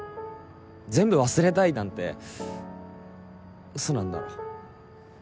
全部忘れたいなんてウソなんだろ？